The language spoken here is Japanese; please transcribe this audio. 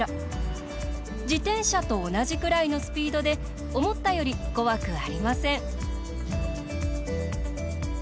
自転車と同じくらいのスピードで思ったより怖くありません。